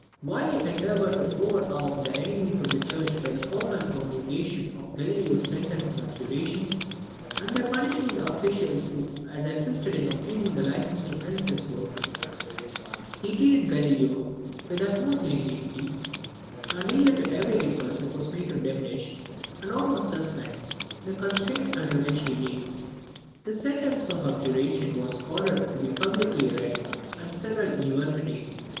While he endeavoured to overawe the enemies of the church by the formal promulgation of Galileo's sentence and abjuration, and by punishing the officials who had assisted in obtaining the license to print his work, he treated Galileo with the utmost lenity, and yielded to every request that was made to diminish, and almost suspend, the constraint under which he lay. The sentence of abjuration was ordered to be publicly read at several universities.